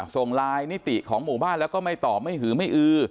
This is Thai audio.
ส่งไลน์นิติของหมู่บ้านแล้วก็ไม่ตอบไม่หือไม่อือ